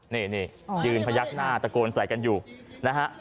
นี่ยืนพยักหน้าตะโกนใส่กันอยู่นะฮะ